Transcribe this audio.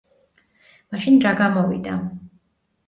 მაშინ რა გამოვიდა.